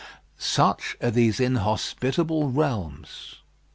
Such are these inhospitable realms.